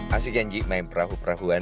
asik kan ji main perahu perahuan